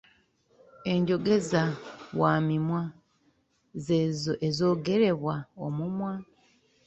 Enjogeza wamimwa z’ezo ezoogerebwa omumwa.